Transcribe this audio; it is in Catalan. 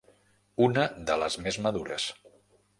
Una de les més madures.